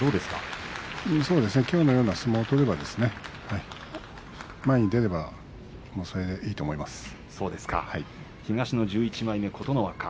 きょうのような相撲を取れば前に出ることができれば東の１１枚目の琴ノ若